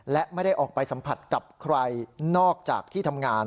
และไม่ได้ออกไปสัมผัสกับใครนอกจากที่ทำงาน